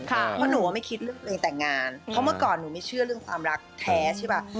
เพราะหนูไม่คิดเรื่องตัวเองแต่งงานเพราะเมื่อก่อนหนูไม่เชื่อเรื่องความรักแท้ใช่ป่ะ